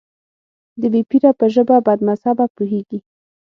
د بې پيره په ژبه بدمذهبه پوهېږي.